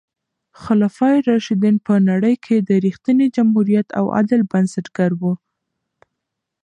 خلفای راشدین په نړۍ کې د رښتیني جمهوریت او عدل بنسټګر وو.